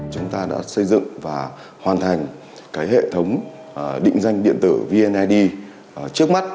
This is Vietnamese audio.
chúng ta đã xây dựng và hoàn thành cái hệ thống định danh điện tử vnaid trước mắt